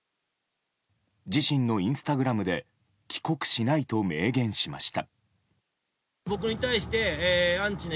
自身のインスタグラムで帰国しないと明言しました。